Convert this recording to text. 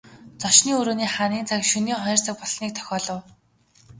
Зочны өрөөний ханын цаг шөнийн хоёр цаг болсныг дохиолов.